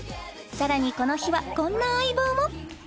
さらにこの日はこんな相棒も！